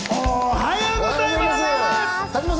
おはようございます！